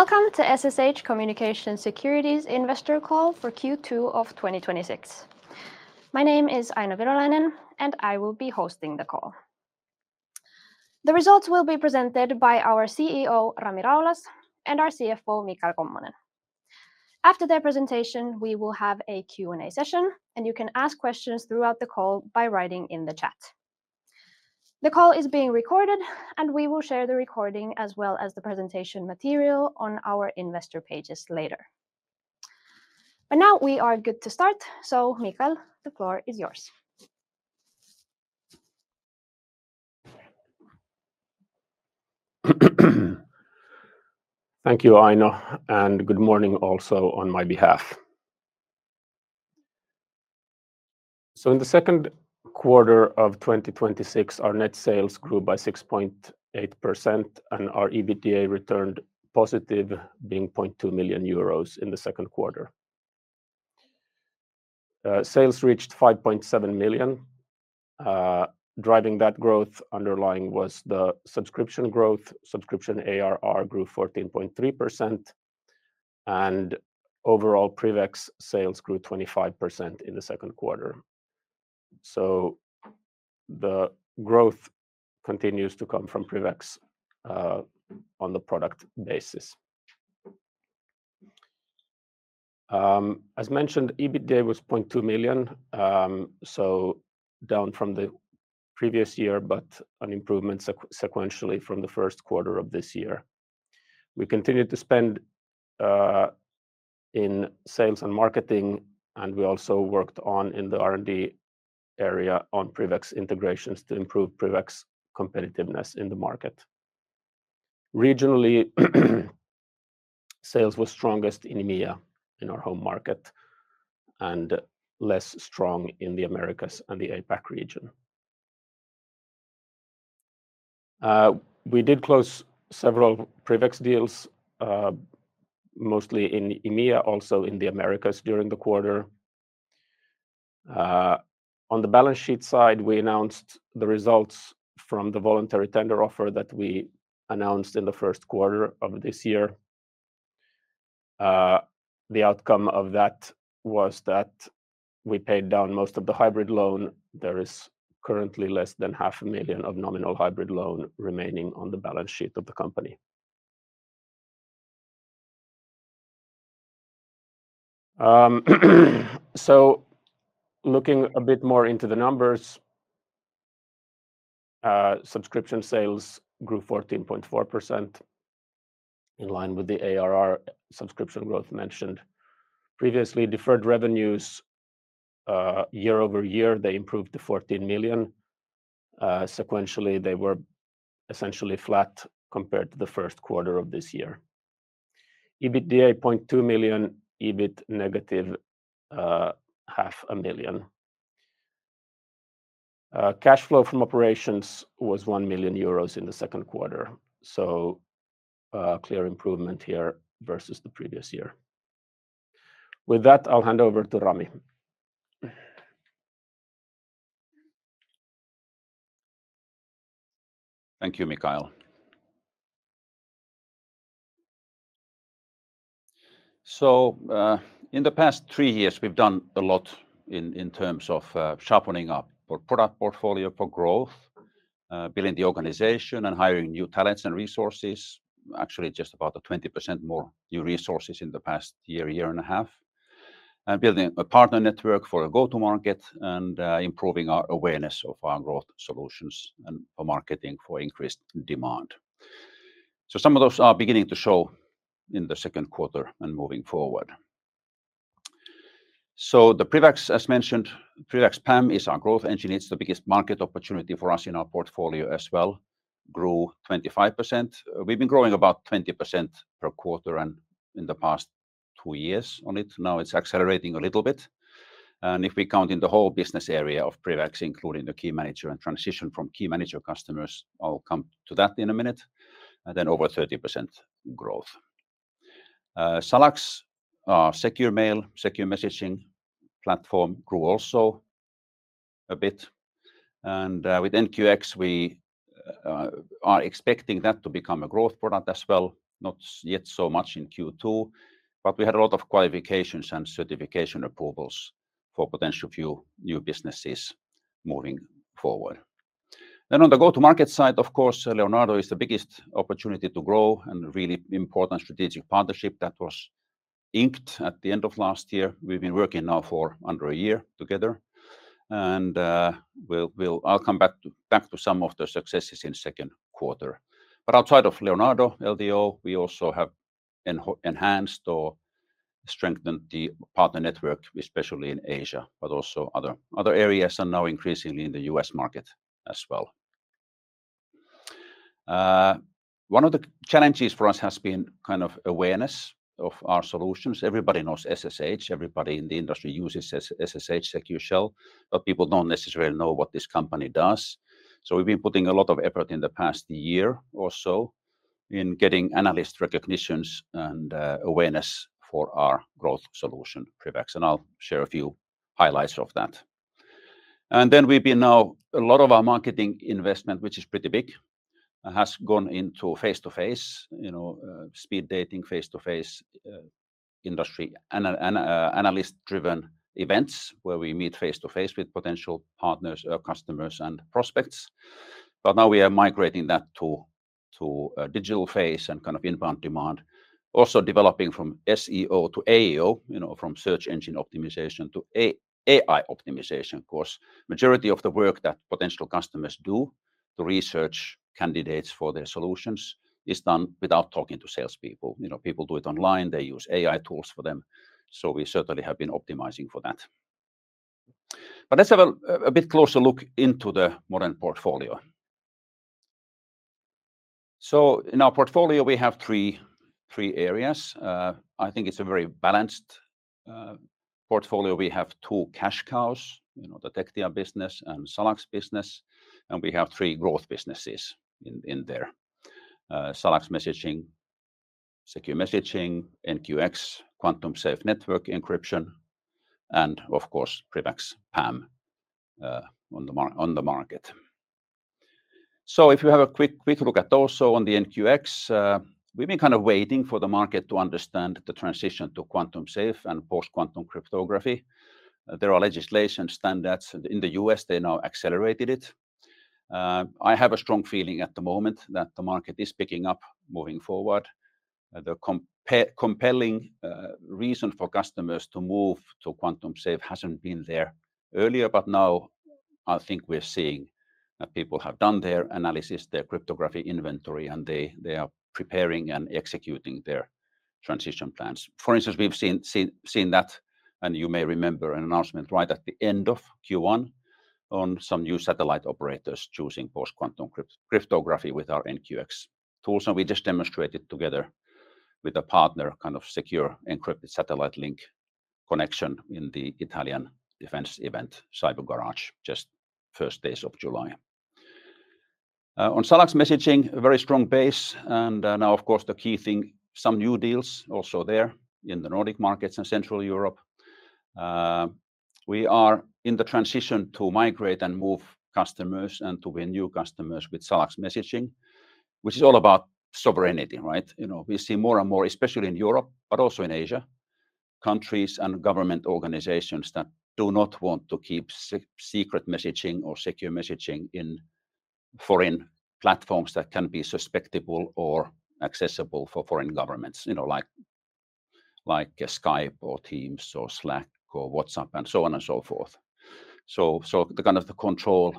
Welcome to SSH Communications Security's investor call for Q2 of 2026. My name is Aino Virolainen, and I will be hosting the call. The results will be presented by our CEO, Rami Raulas, and our CFO, Mikael Kommonen. After their presentation, we will have a Q&A session, and you can ask questions throughout the call by writing in the chat. The call is being recorded, and we will share the recording as well as the presentation material on our investor pages later. Now we are good to start. Mikael, the floor is yours. Thank you, Aino, and good morning also on my behalf. In the second quarter of 2026, our net sales grew by 6.8%, and our EBITDA returned positive, being 0.2 million euros in the second quarter. Sales reached 5.7 million. Driving that growth underlying was the subscription growth. Subscription ARR grew 14.3%, and overall PrivX sales grew 25% in the second quarter. The growth continues to come from PrivX on the product basis. As mentioned, EBITDA was 0.2 million, down from the previous year, but an improvement sequentially from the first quarter of this year. We continued to spend in sales and marketing, and we also worked on in the R&D area on PrivX integrations to improve PrivX competitiveness in the market. Regionally, sales were strongest in EMEA, in our home market, and less strong in the Americas and the APAC region. We did close several PrivX deals, mostly in EMEA, also in the Americas during the quarter. On the balance sheet side, we announced the results from the voluntary tender offer that we announced in the first quarter of this year. The outcome of that was that we paid down most of the hybrid loan. There is currently less than 0.5 million of nominal hybrid loan remaining on the balance sheet of the company. Looking a bit more into the numbers, subscription sales grew 14.4%, in line with the ARR subscription growth mentioned previously. Deferred revenues year-over-year, they improved to 14 million. Sequentially, they were essentially flat compared to the first quarter of this year. EBITDA 0.2 million, EBIT negative 0.5 million. Cash flow from operations was 1 million euros in the second quarter, a clear improvement here versus the previous year. With that, I'll hand over to Rami. Thank you, Mikael. In the past three years, we've done a lot in terms of sharpening up our product portfolio for growth, building the organization and hiring new talents and resources. Actually, just about a 20% more new resources in the past year and a half, and building a partner network for a go-to market and improving our awareness of our growth solutions and for marketing for increased demand. Some of those are beginning to show in the second quarter and moving forward. The PrivX, as mentioned, PrivX PAM is our growth engine. It's the biggest market opportunity for us in our portfolio as well, grew 25%. We've been growing about 20% per quarter and in the past two years on it. Now it's accelerating a little bit. If we count in the whole business area of PrivX, including the Key Manager and transition from Key Manager customers, I'll come to that in a minute, then over 30% growth. SalaX, our secure mail, secure messaging platform grew also a bit. With NQX, we are expecting that to become a growth product as well. Not yet so much in Q2, but we had a lot of qualifications and certification approvals for potential few new businesses moving forward. On the go-to-market side, of course, Leonardo is the biggest opportunity to grow and really important strategic partnership that was inked at the end of last year. We've been working now for under a year together, and I'll come back to some of the successes in second quarter. Outside of Leonardo, LDO, we also have enhanced or strengthened the partner network, especially in Asia, but also other areas and now increasingly in the U.S. market as well. One of the challenges for us has been kind of awareness of our solutions. Everybody knows SSH. Everybody in the industry uses SSH Secure Shell, but people don't necessarily know what this company does. We've been putting a lot of effort in the past year or so in getting analyst recognitions and awareness for our growth solution, PrivX. I'll share a few highlights of that. Then we've been now, a lot of our marketing investment, which is pretty big, has gone into face-to-face, speed dating, face-to-face industry, and analyst-driven events where we meet face-to-face with potential partners or customers and prospects. Now we are migrating that to a digital face and kind of inbound demand. Also developing from SEO to AEO, from search engine optimization to AI optimization. Of course, the majority of the work that potential customers do to research candidates for their solutions is done without talking to salespeople. People do it online. They use AI tools for them. We certainly have been optimizing for that. Let's have a bit closer look into the modern portfolio. In our portfolio, we have three areas. I think it's a very balanced portfolio. We have two cash cows, the Tectia business and SalaX business, and we have three growth businesses in there. SalaX messaging, secure messaging, NQX, quantum-safe network encryption, and of course, PrivX PAM on the market. If you have a quick look at those. On the NQX, we've been kind of waiting for the market to understand the transition to quantum-safe and post-quantum cryptography. There are legislation standards in the U.S., they now accelerated it. I have a strong feeling at the moment that the market is picking up moving forward. The compelling reason for customers to move to Quantum Safe hasn't been there earlier, but now I think we're seeing that people have done their analysis, their cryptography inventory, and they are preparing and executing their transition plans. For instance, we've seen that, and you may remember an announcement right at the end of Q1 on some new satellite operators choosing post-quantum cryptography with our NQX tools. We just demonstrated together with a partner kind of secure encrypted satellite link connection in the Italian defense event, Cyber Garage, just first days of July. On SalaX messaging, a very strong base. Now, of course, the key thing, some new deals also there in the Nordic markets and Central Europe. We are in the transition to migrate and move customers and to win new customers with SalaX messaging, which is all about sovereignty, right? We see more and more, especially in Europe, but also in Asia, countries and government organizations that do not want to keep secret messaging or secure messaging in foreign platforms that can be susceptible or accessible for foreign governments like Skype or Teams or Slack or WhatsApp and so on and so forth. The kind of the control,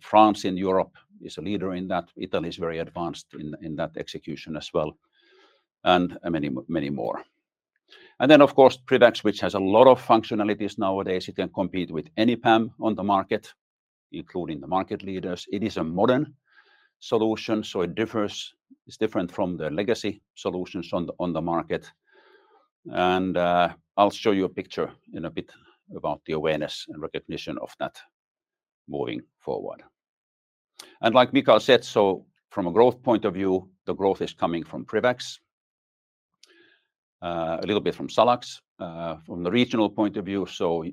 France in Europe is a leader in that. Italy is very advanced in that execution as well, and many more. Of course, PrivX, which has a lot of functionalities nowadays. It can compete with any PAM on the market, including the market leaders. It is a modern solution, so it's different from the legacy solutions on the market. I'll show you a picture in a bit about the awareness and recognition of that moving forward. Like Mikael said, from a growth point of view, the growth is coming from PrivX, a little bit from SalaX. From the regional point of view,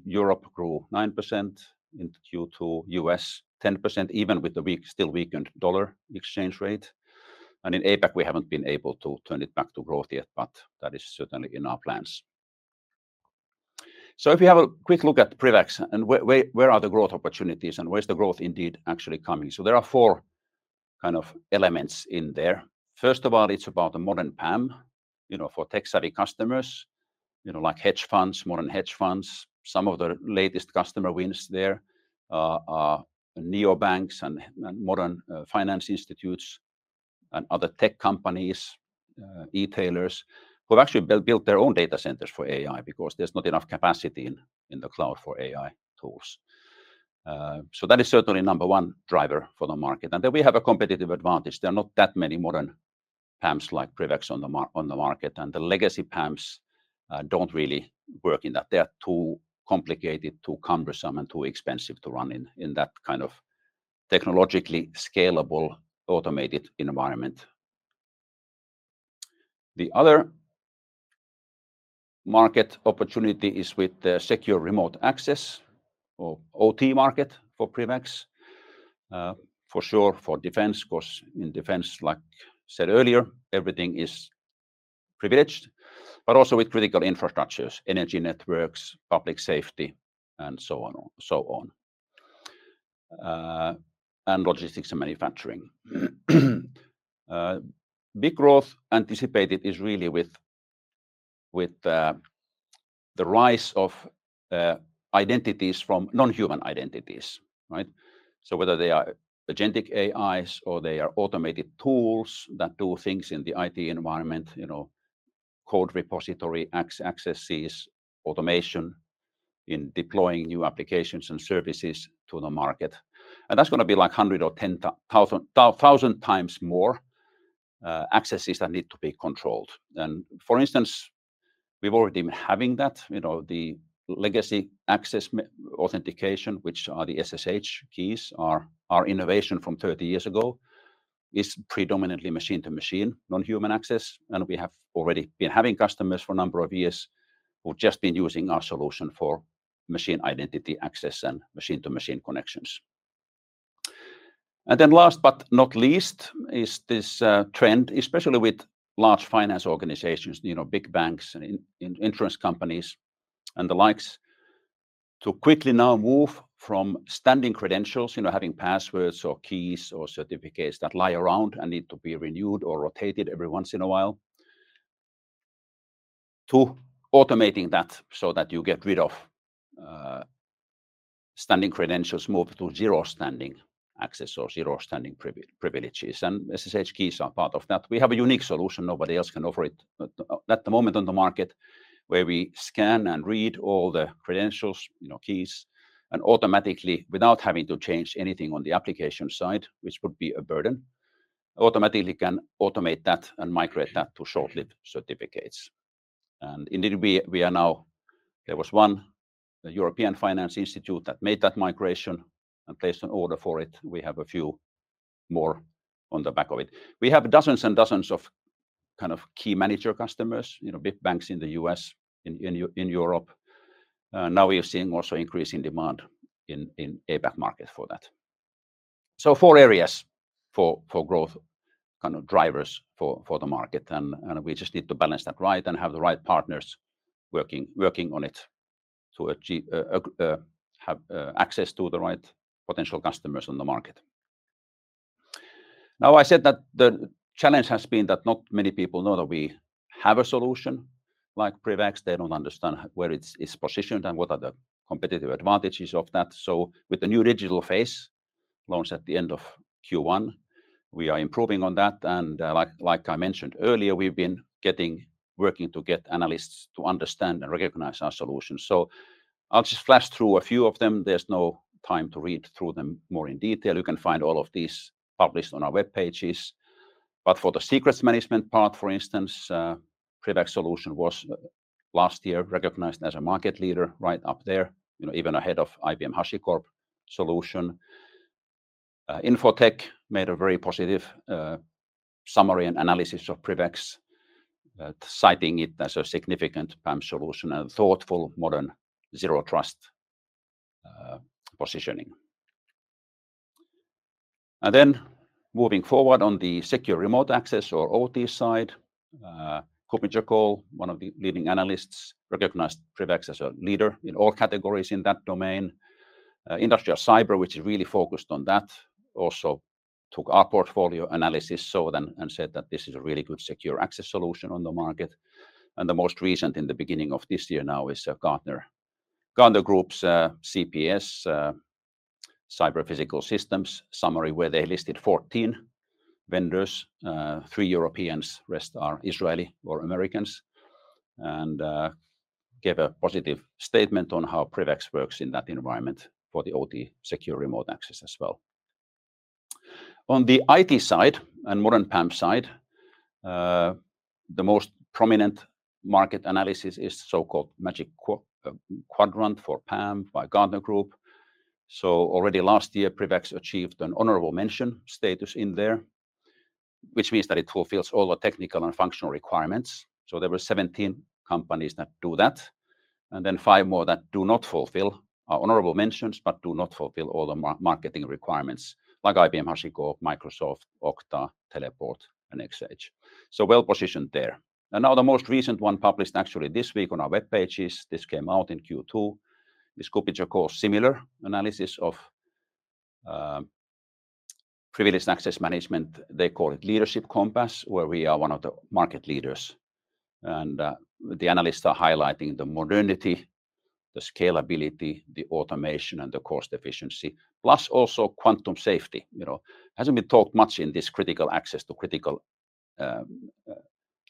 Europe grew 9% in Q2, U.S. 10%, even with the still weakened dollar exchange rate. In APAC, we haven't been able to turn it back to growth yet, but that is certainly in our plans. If you have a quick look at PrivX and where are the growth opportunities and where's the growth indeed actually coming. There are four kind of elements in there. First of all, it's about the modern PAM for tech-savvy customers like hedge funds, modern hedge funds. Some of the latest customer wins there are neobanks and modern finance institutes and other tech companies, e-tailers who have actually built their own data centers for AI because there's not enough capacity in the cloud for AI tools. That is certainly number one driver for the market. We have a competitive advantage. There are not that many modern PAMs like PrivX on the market, and the legacy PAMs don't really work in that. They are too complicated, too cumbersome, and too expensive to run in that kind of technologically scalable, automated environment. The other market opportunity is with the secure remote access or OT market for PrivX. For sure, for defense, because in defense, like I said earlier, everything is privileged, but also with critical infrastructures, energy networks, public safety, and so on, and logistics and manufacturing. Big growth anticipated is really with the rise of identities from non-human identities, right? Whether they are agentic AIs or they are automated tools that do things in the IT environment, code repository accesses, automation in deploying new applications and services to the market. That's going to be like 100 or 1,000 times more accesses that need to be controlled. For instance, we're already having that, the legacy access authentication, which are the SSH keys, are innovation from 30 years ago. is predominantly machine-to-machine, non-human access, and we have already been having customers for a number of years who've just been using our solution for machine identity access and machine-to-machine connections. Last but not least is this trend, especially with large finance organizations, big banks and insurance companies and the likes, to quickly now move from standing credentials, having passwords or keys or certificates that lie around and need to be renewed or rotated every once in a while, to automating that so that you get rid of standing credentials, move to zero standing access or zero standing privileges, and SSH keys are part of that. We have a unique solution. Nobody else can offer it at the moment on the market, where we scan and read all the credentials, keys, and automatically, without having to change anything on the application side, which would be a burden, can automate that and migrate that to short-lived certificates. Indeed, there was one European finance institute that made that migration and placed an order for it. We have a few more on the back of it. We have dozens and dozens of Key Manager customers, big banks in the U.S., in Europe. Now we are seeing also increasing demand in APAC market for that. Four areas for growth drivers for the market, and we just need to balance that right and have the right partners working on it to have access to the right potential customers on the market. Now, I said that the challenge has been that not many people know that we have a solution like PrivX. They don't understand where it's positioned and what are the competitive advantages of that. With the new digital phase launched at the end of Q1, we are improving on that, and like I mentioned earlier, we've been working to get analysts to understand and recognize our solution. I'll just flash through a few of them. There's no time to read through them more in detail. You can find all of these published on our web pages. For the secrets management part, for instance, PrivX solution was last year recognized as a market leader right up there, even ahead of IBM HashiCorp solution. Info-Tech made a very positive summary and analysis of PrivX, citing it as a significant PAM solution and thoughtful modern zero trust positioning. Moving forward on the secure remote access or OT side, KuppingerCole, one of the leading analysts, recognized PrivX as a leader in all categories in that domain. Industrial Cyber, which really focused on that, also took our portfolio analysis so then and said that this is a really good secure access solution on the market. The most recent in the beginning of this year now is Gartner. Gartner Group's Cyber-Physical Systems summary, where they listed 14 vendors, three Europeans, rest are Israeli or Americans, and gave a positive statement on how PrivX works in that environment for the OT secure remote access as well. On the IT side and modern PAM side, the most prominent market analysis is so-called Magic Quadrant for PAM by Gartner Group. Already last year, PrivX achieved an honorable mention status in there, which means that it fulfills all the technical and functional requirements. There were 17 companies that do that, and then five more that do not fulfill, are honorable mentions but do not fulfill all the marketing requirements, like IBM HashiCorp, Microsoft, Okta, Teleport, and Xshell. Well-positioned there. Now the most recent one published actually this week on our web pages, this came out in Q2, is KuppingerCole similar analysis of privilege and access management. They call it Leadership Compass, where we are one of the market leaders. The analysts are highlighting the modernity, the scalability, the automation, and the cost efficiency, plus also quantum safety. Hasn't been talked much in this critical access to critical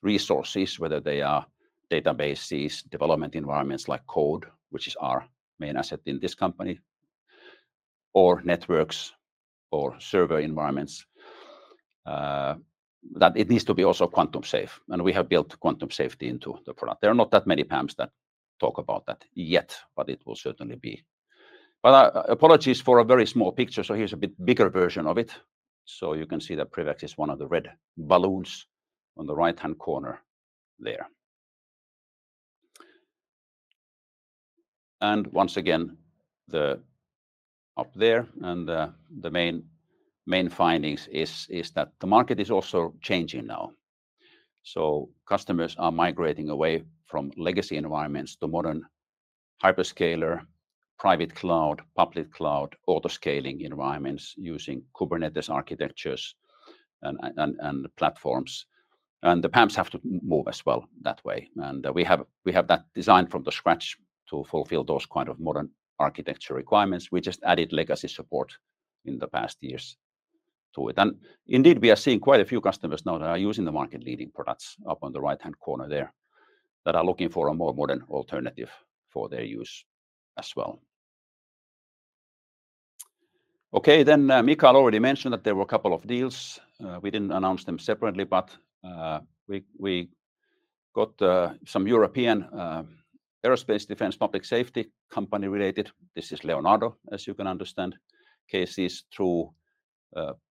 resources, whether they are databases, development environments like code, which is our main asset in this company, or networks or server environments that it needs to be also quantum safe, and we have built quantum safety into the product. There are not that many PAMs that talk about that yet, but it will certainly be. Apologies for a very small picture. Here's a bit bigger version of it. You can see that PrivX is one of the red balloons on the right-hand corner there. Once again, up there, and the main findings is that the market is also changing now. Customers are migrating away from legacy environments to modern hyperscaler, private cloud, public cloud, auto-scaling environments using Kubernetes architectures and platforms. The PAMs have to move as well that way. We have that designed from the scratch to fulfill those kind of modern architecture requirements. We just added legacy support in the past years to it. Indeed, we are seeing quite a few customers now that are using the market leading products up on the right-hand corner there that are looking for a more modern alternative for their use as well. Mikael already mentioned that there were a couple of deals. We didn't announce them separately, we got some European aerospace defense public safety company related. This is Leonardo, as you can understand, cases through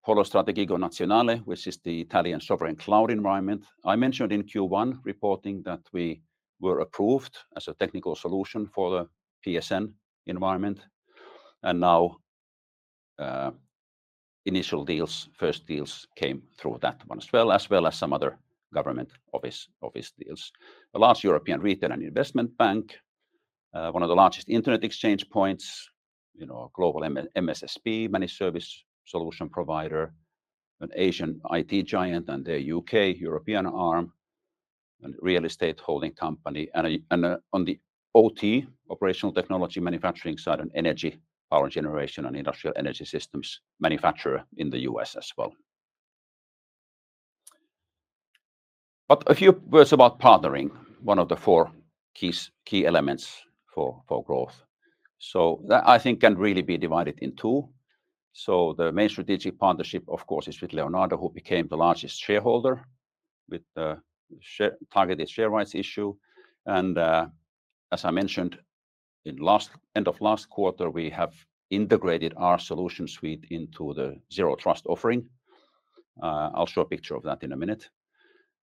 Polo Strategico Nazionale, which is the Italian sovereign cloud environment. I mentioned in Q1 reporting that we were approved as a technical solution for the PSN environment, now initial first deals came through that one as well, as well as some other government office deals. The last European retail and investment bank, one of the largest internet exchange points, a global MSSP, managed service solution provider, an Asian IT giant and their U.K. European arm, and real estate holding company. On the OT, operational technology manufacturing side and energy, power generation and industrial energy systems manufacturer in the U.S. as well. A few words about partnering, one of the four key elements for growth. That I think can really be divided in two. The main strategic partnership, of course, is with Leonardo, who became the largest shareholder with the targeted share rights issue. As I mentioned in end of last quarter, we have integrated our solution suite into the Zero Trust offering. I'll show a picture of that in a minute.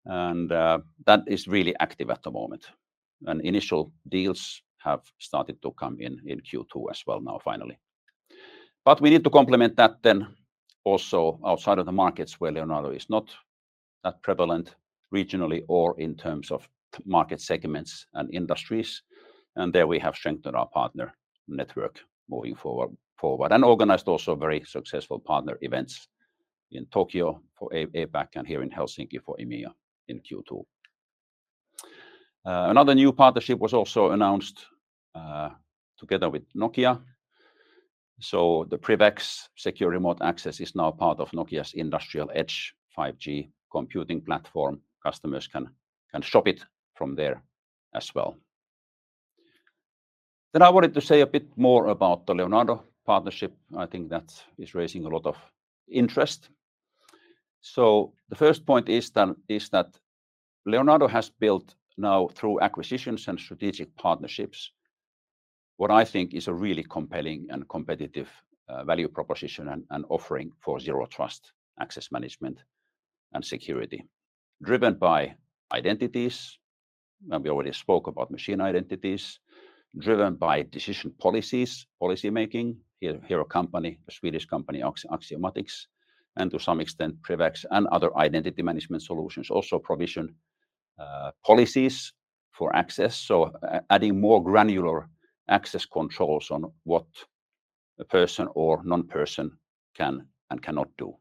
That is really active at the moment, and initial deals have started to come in in Q2 as well now finally. We need to complement that then also outside of the markets where Leonardo is not that prevalent regionally or in terms of market segments and industries. There we have strengthened our partner network moving forward. Organized also very successful partner events in Tokyo for APAC and here in Helsinki for EMEA in Q2. Another new partnership was also announced together with Nokia. The PrivX secure remote access is now part of Nokia's Industrial Edge 5G computing platform. Customers can shop it from there as well. I wanted to say a bit more about the Leonardo partnership. I think that is raising a lot of interest. The first point is that Leonardo has built now through acquisitions and strategic partnerships, what I think is a really compelling and competitive value proposition and offering for Zero Trust access management and security. Driven by identities, and we already spoke about machine identities. Driven by decision policies, policymaking. Here a company, a Swedish company, Axiomatics, and to some extent PrivX and other identity management solutions also provision policies for access. Adding more granular access controls on what a person or non-person can and cannot do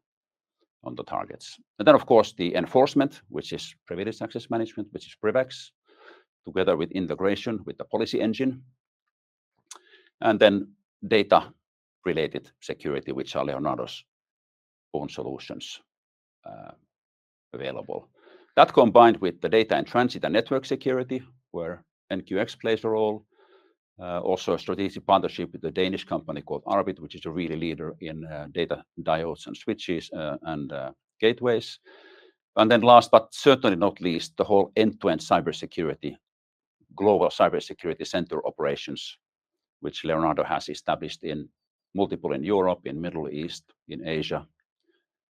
on the targets. Then of course the enforcement, which is privileged access management, which is PrivX, together with integration with the policy engine, and then data-related security, which are Leonardo's own solutions available. That combined with the data in transit and network security, where NQX plays a role. Also a strategic partnership with a Danish company called Arbit, which is a really leader in data diodes and switches, and gateways. Last but certainly not least, the whole end-to-end cybersecurity, global cybersecurity center operations, which Leonardo has established multiple in Europe, in Middle East, in Asia,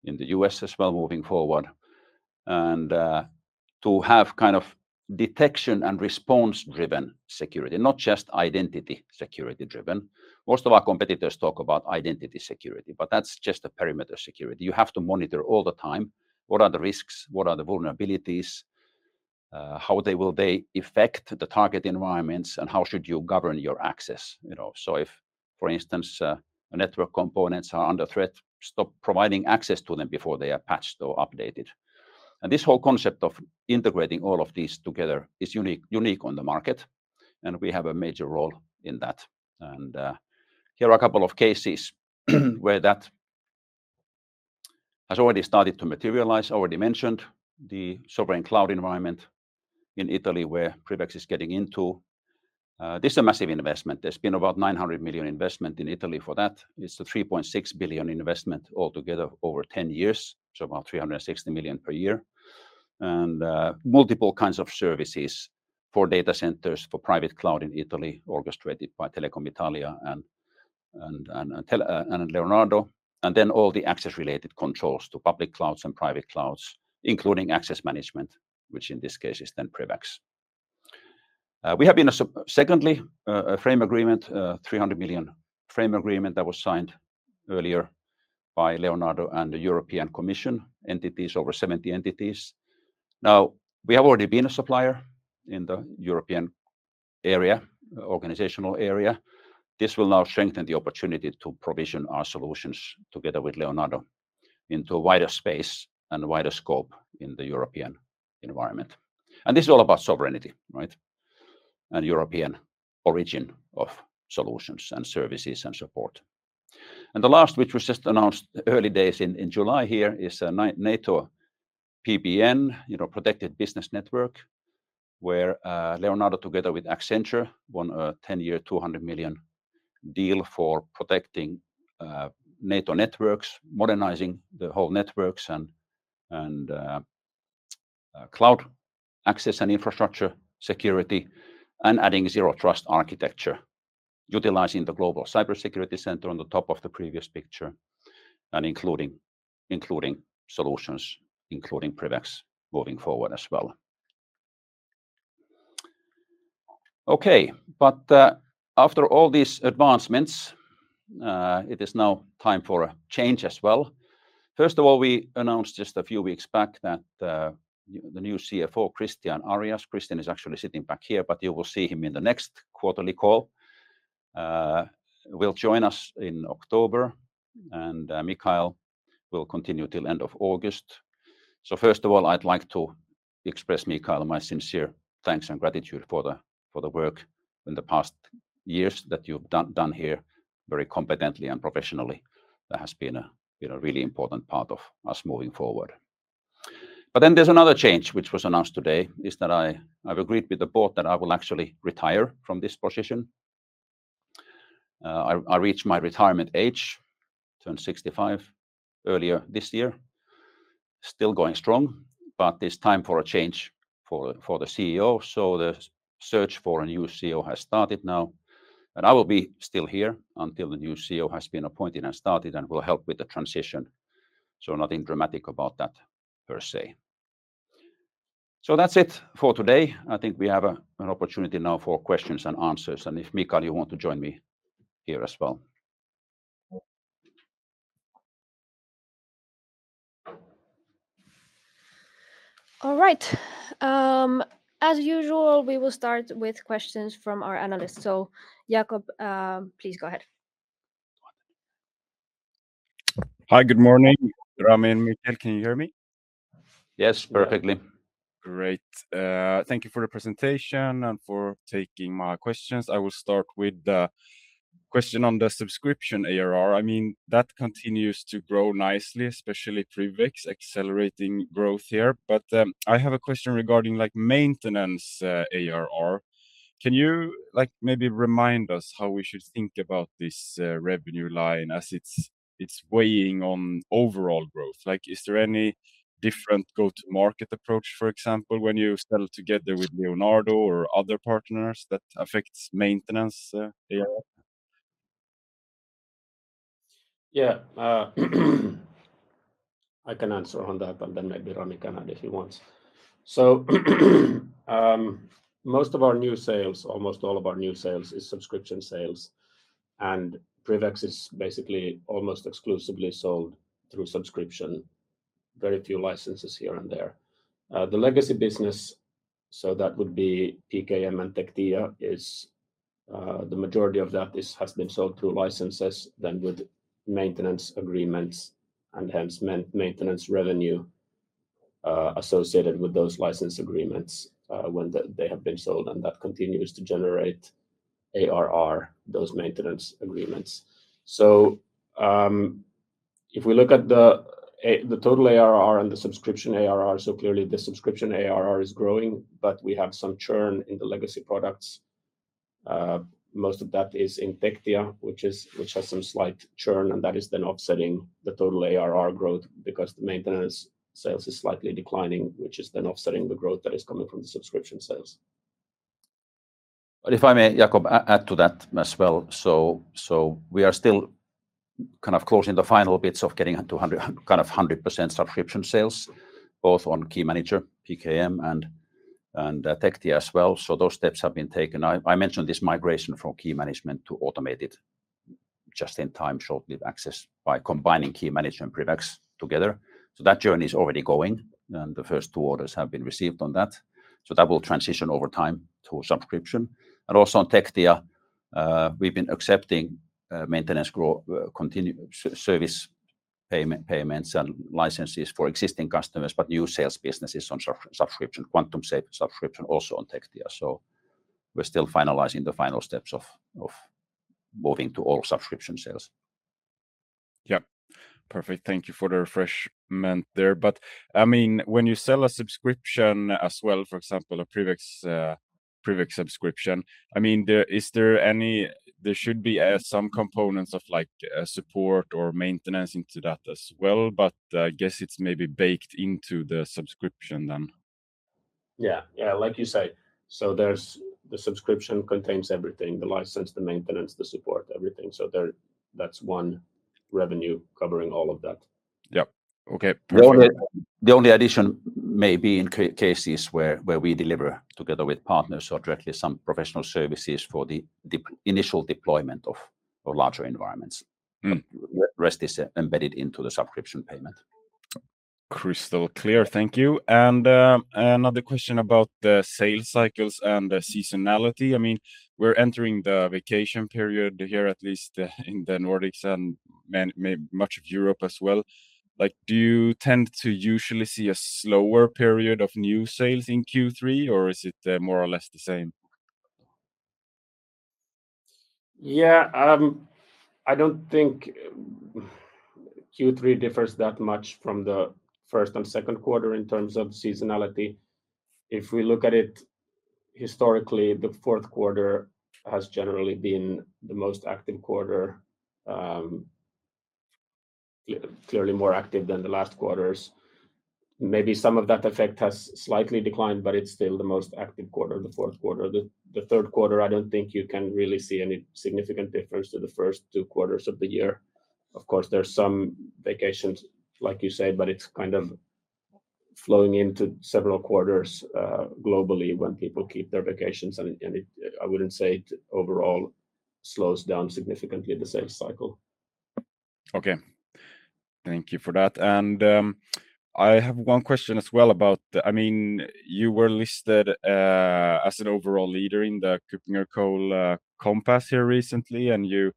in the U.S. as well moving forward. To have kind of detection and response-driven security, not just identity security driven. Most of our competitors talk about identity security, but that's just a perimeter security. You have to monitor all the time what are the risks, what are the vulnerabilities, how will they affect the target environments, and how should you govern your access. If, for instance, network components are under threat, stop providing access to them before they are patched or updated. This whole concept of integrating all of these together is unique on the market, and we have a major role in that. Here are a couple of cases where that has already started to materialize. I already mentioned the sovereign cloud environment in Italy where PrivX is getting into. This is a massive investment. There's been about 900 million investment in Italy for that. It's a 3.6 billion investment altogether over 10 years, so about 360 million per year. Multiple kinds of services for data centers for private cloud in Italy orchestrated by Telecom Italia and Leonardo. Then all the access-related controls to public clouds and private clouds, including access management, which in this case is then PrivX. We have been secondly, a frame agreement, 300 million frame agreement that was signed earlier by Leonardo and the European Commission entities, over 70 entities. Now, we have already been a supplier in the European area, organizational area. This will now strengthen the opportunity to provision our solutions together with Leonardo into a wider space and a wider scope in the European environment. This is all about sovereignty, right? European origin of solutions and services and support. The last, which was just announced early days in July here is NATO PBN, Protected Business Network, where Leonardo together with Accenture won a 10-year, 200 million deal for protecting NATO networks, modernizing the whole networks, cloud access and infrastructure security, adding Zero Trust architecture, utilizing the Global Cybersecurity Center on the top of the previous picture, and including solutions, including PrivX moving forward as well. Okay. After all these advancements, it is now time for a change as well. First of all, we announced just a few weeks back that the new CFO, Cristian Arias, Cristian is actually sitting back here, but you will see him in the next quarterly call, will join us in October, and Mikael will continue till end of August. First of all, I'd like to express, Mikael, my sincere thanks and gratitude for the work in the past years that you've done here very competently and professionally. That has been a really important part of us moving forward. There's another change, which was announced today, is that I've agreed with the board that I will actually retire from this position. I reached my retirement age, turned 65 earlier this year. Still going strong, it's time for a change for the CEO. The search for a new CEO has started now, and I will be still here until the new CEO has been appointed and started and will help with the transition. Nothing dramatic about that, per se. That's it for today. I think we have an opportunity now for questions and answers. If, Mikael, you want to join me here as well. All right. As usual, we will start with questions from our analysts. Jacob, please go ahead. Hi. Good morning, Rami and Mikael. Can you hear me? Yes, perfectly. Great. Thank you for the presentation and for taking my questions. I will start with the question on the subscription ARR. That continues to grow nicely, especially PrivX accelerating growth here. I have a question regarding maintenance ARR. Can you maybe remind us how we should think about this revenue line as it's weighing on overall growth? Is there any different go-to-market approach, for example, when you sell together with Leonardo or other partners that affects maintenance ARR? Yeah. I can answer on that, then maybe Rami can add if he wants. Most of our new sales, almost all of our new sales, is subscription sales, and PrivX is basically almost exclusively sold through subscription. Very few licenses here and there. The legacy business, that would be PKM and Tectia, the majority of that has been sold through licenses, then with maintenance agreements and hence maintenance revenue associated with those license agreements when they have been sold. That continues to generate ARR, those maintenance agreements. If we look at the total ARR and the subscription ARR, so clearly the subscription ARR is growing, but we have some churn in the legacy products. Most of that is in Tectia, which has some slight churn, and that is then offsetting the total ARR growth because the maintenance sales is slightly declining, which is then offsetting the growth that is coming from the subscription sales. If I may, Jacob, add to that as well. We are still closing the final bits of getting to 100% subscription sales, both on Key Manager, PKM, and Tectia as well. Those steps have been taken. I mentioned this migration from key management to automated just-in-time short-lived access by combining key management and PrivX together. That journey is already going, and the first two orders have been received on that. That will transition over time to a subscription. Also on Tectia, we've been accepting maintenance service payments and licenses for existing customers. New sales business is on subscription, Quantum Safe Subscription also on Tectia. We're still finalizing the final steps of moving to all subscription sales. Yep. Perfect. Thank you for the refreshment there. When you sell a subscription as well, for example, a PrivX subscription, there should be some components of support or maintenance into that as well, but I guess it's maybe baked into the subscription then. Yeah. Like you say, the subscription contains everything, the license, the maintenance, the support, everything. That's one revenue covering all of that. Yep. Okay. The only addition may be in cases where we deliver together with partners or directly some professional services for the initial deployment of larger environments. The rest is embedded into the subscription payment. Crystal clear. Thank you. Another question about the sales cycles and the seasonality. We're entering the vacation period here, at least in the Nordics and much of Europe as well. Do you tend to usually see a slower period of new sales in Q3, or is it more or less the same? Yeah. I don't think we Q3 differs that much from the first and second quarter in terms of seasonality. If we look at it historically, the fourth quarter has generally been the most active quarter. Clearly more active than the last quarters. Maybe some of that effect has slightly declined, but it's still the most active quarter, the fourth quarter. The third quarter, I don't think you can really see any significant difference to the first two quarters of the year. Of course, there's some vacations, like you said, but it's flowing into several quarters globally when people keep their vacations, and I wouldn't say it overall slows down significantly the sales cycle. Okay. Thank you for that. I have one question as well. You were listed as an overall leader in the KuppingerCole Compass here recently, and you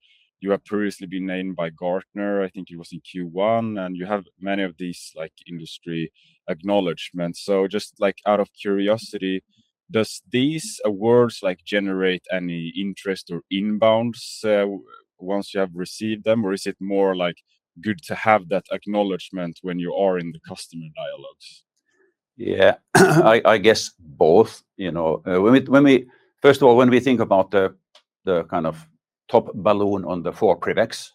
have previously been named by Gartner, I think it was in Q1, and you have many of these industry acknowledgments. Out of curiosity, does these awards generate any interest or inbounds once you have received them, or is it more good to have that acknowledgment when you are in the customer dialogues? Yeah. I guess both. First of all, when we think about the top balloon on the four PrivX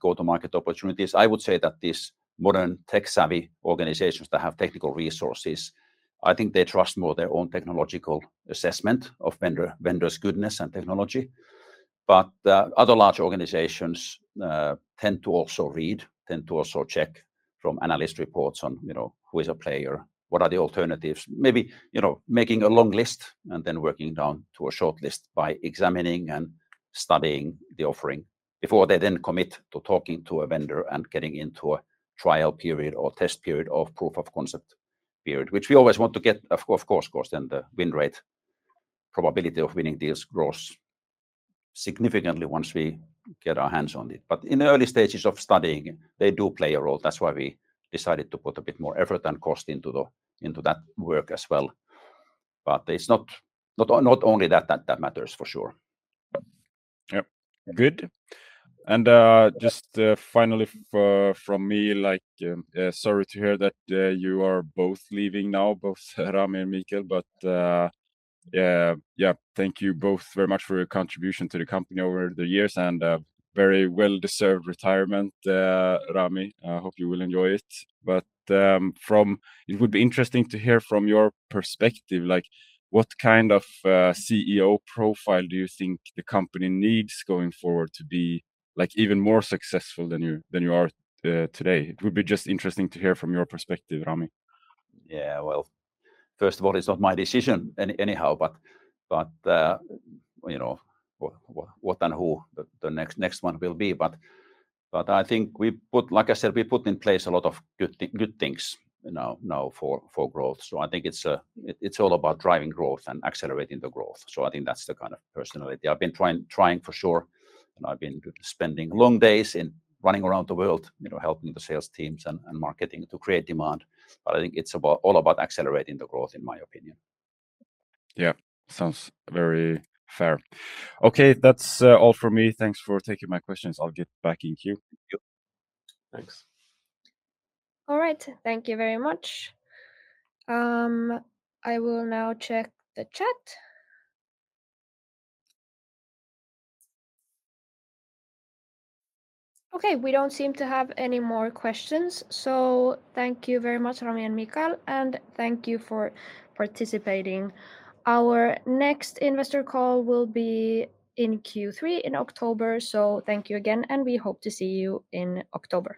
go-to-market opportunities, I would say that these modern tech-savvy organizations that have technical resources, I think they trust more their own technological assessment of vendor's goodness and technology. Other large organizations tend to also read, tend to also check from analyst reports on who is a player, what are the alternatives. Maybe making a long list and then working down to a short list by examining and studying the offering before they then commit to talking to a vendor and getting into a trial period or test period of proof of concept period, which we always want to get, of course, because then the win rate, probability of winning deals grows significantly once we get our hands on it. In the early stages of studying, they do play a role. That's why we decided to put a bit more effort and cost into that work as well. It's not only that that matters, for sure. Yep. Good. Just finally from me, sorry to hear that you are both leaving now, both Rami and Mikael. Thank you both very much for your contribution to the company over the years and very well-deserved retirement, Rami. I hope you will enjoy it. It would be interesting to hear from your perspective, what kind of CEO profile do you think the company needs going forward to be even more successful than you are today? It would be just interesting to hear from your perspective, Rami. First of all, it's not my decision anyhow what and who the next one will be, but I think, like I said, we put in place a lot of good things now for growth. I think it's all about driving growth and accelerating the growth. I think that's the kind of personality. I've been trying for sure, and I've been spending long days in running around the world, helping the sales teams and marketing to create demand. I think it's all about accelerating the growth, in my opinion. Yeah. Sounds very fair. That's all from me. Thanks for taking my questions. I'll get back in queue. Yep. Thanks. All right. Thank you very much. I will now check the chat. We don't seem to have any more questions, thank you very much, Rami and Mikael, and thank you for participating. Our next investor call will be in Q3 in October, thank you again, and we hope to see you in October.